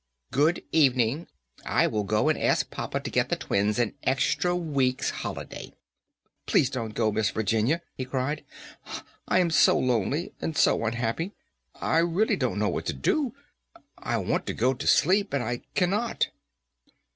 "Good evening; I will go and ask papa to get the twins an extra week's holiday." "Please don't go, Miss Virginia," he cried; "I am so lonely and so unhappy, and I really don't know what to do. I want to go to sleep and I cannot."